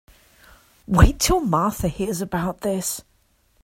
Wait till Martha hears about this.